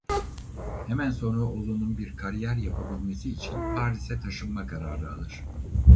Hemen sonra oğlunun bir kariyer yapabilmesi için Paris'e taşınma kararı alır.